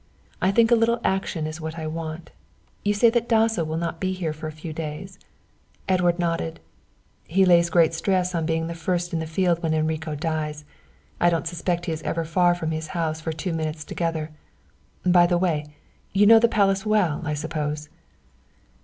I think a little action is what I want. You say that Dasso will not be here for a few days?" Edward nodded. "He lays great stress on being first in the field when Enrico dies. I don't expect he is ever far from his house for two minutes together. By the way, you know the Palace well, I suppose?"